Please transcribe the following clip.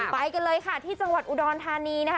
ไปกันเลยที่จังหวะอุดรทานี